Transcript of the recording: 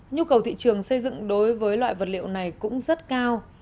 nhu cầu thị trường xây dựng đối với loại vật liệu này cũng rất cao